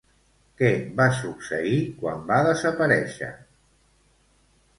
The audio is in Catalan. Què va succeir quan va desaparèixer?